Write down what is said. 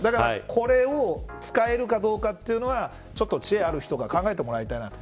これを使えるかどうかというのはちょっと知恵のある人が考えてもらいたいなと。